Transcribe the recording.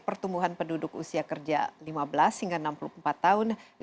pertumbuhan penduduk usia kerja lima belas hingga enam puluh empat tahun